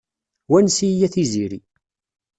Wanes-iyi a tiziri.